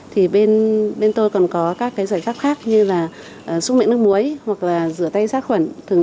thì bên tôi còn có các cái giải pháp khác như là súc miệng nước muối hoặc là rửa tay sữa